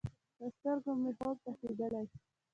له سترګو مې خوب تښتیدلی